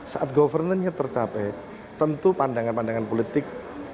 saat governance nya tercapai tentu pandangan pandangan politik